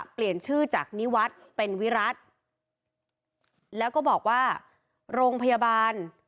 เปลี่ยนชื่อจากนิวัฒน์เป็นวิรัติแล้วก็บอกว่าโรงพยาบาล